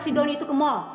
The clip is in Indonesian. si doni itu ke mal